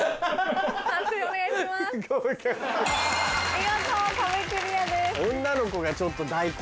見事壁クリアです。